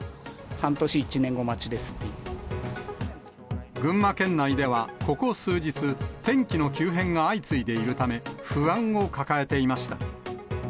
半年、群馬県内では、ここ数日、天気の急変が相次いでいるため、不安を抱えていました。